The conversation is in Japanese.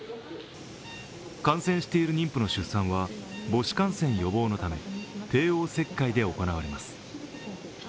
感染している妊婦の出産は母子感染予防のため帝王切開で行われます。